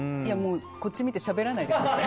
こっち見てしゃべらないでください。